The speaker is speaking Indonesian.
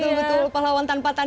betul betul pahlawan tanpa tanda